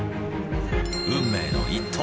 運命の一投。